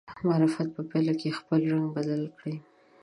معرف په پایله کې خپل رنګ بدل کړي.